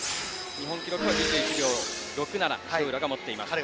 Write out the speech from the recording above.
日本記録は２１秒６７塩浦が持っています。